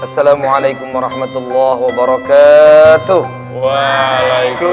assalamualaikum warahmatullah wa barakatuh assalamualaikum warahmatullah wa barakatuh